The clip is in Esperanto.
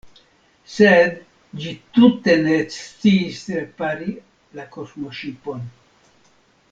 Sed, ĝi tute ne sciis ripari la kosmoŝipon.